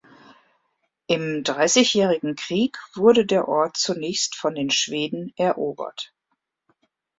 Im Dreißigjährigen Krieg wurde der Ort zunächst von den Schweden erobert.